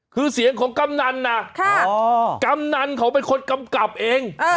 คือเสียงของกำนันนะกำนันเขาเป็นคนกำกับเอง